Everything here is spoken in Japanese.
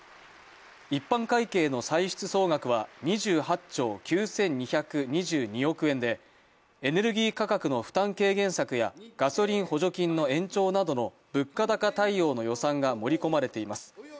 一般会計の歳出総額は２８兆９２２２億円でエネルギー価格の負担軽減策やガソリン補助金の延長などの物価高対応の予算が盛り込まれています。